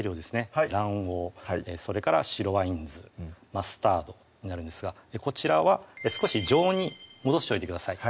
はい卵黄それから白ワイン酢・マスタードになるんですがこちらは少し常温に戻しておいてください